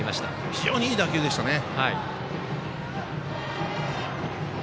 非常にいい打球でしたね。